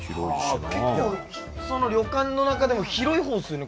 旅館の中でも広い方っすよね